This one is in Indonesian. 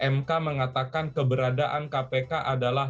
mk mengatakan keberadaan kpk adalah